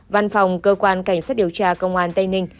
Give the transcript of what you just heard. văn phòng cơ quan cảnh sát điều tra công an tây ninh